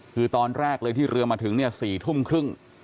คือตอนแรกเลยที่เรือมาถึงเนี่ย๔ทุ่มครึ่ง